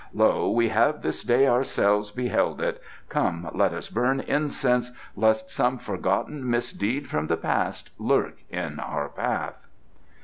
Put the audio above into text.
Lo, we have this day ourselves beheld it. Come, let us burn incense lest some forgotten misdeed from the past lurk in our path.